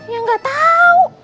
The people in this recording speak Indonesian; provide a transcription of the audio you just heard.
ya nggak tau